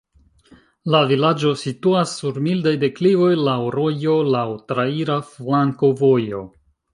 La vilaĝo situas sur mildaj deklivoj, laŭ rojo, laŭ traira flankovojo.